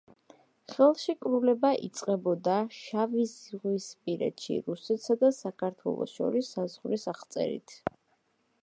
ხელშეკრულება იწყებოდა შავიზღვისპირეთში რუსეთსა და საქართველოს შორის საზღვრის აღწერით.